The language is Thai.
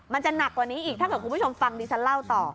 มันจะหนักกว่านี้อีกถ้าเกิดคุณผู้ชมฟังดิฉันเล่าต่อ